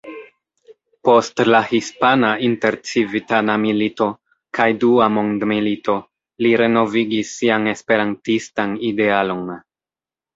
Post la hispana intercivitana milito kaj dua mondmilito li renovigis sian esperantistan idealon.